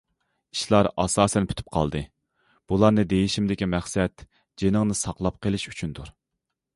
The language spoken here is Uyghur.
ئىشلار ئاساسەن پۈتۈپ قالدى، بۇلارنى دېيىشىمدىكى مەقسەت جېنىڭنى ساقلاپ قېلىش ئۈچۈندۇر.